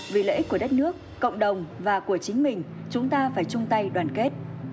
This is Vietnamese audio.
vì lợi ích của đất nước cộng đồng và của chính mình chúng ta phải chung tay đoàn kết